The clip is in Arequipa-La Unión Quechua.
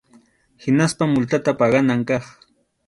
Hinaspa multata paganan kaq.